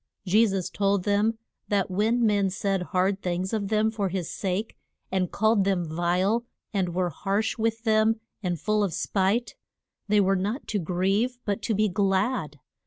Je sus told them that when men said hard things of them for his sake, and called them vile, and were harsh with them and full of spite, they were not to grieve but to be glad.